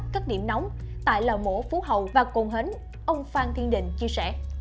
còn hến ông phan thiên định chia sẻ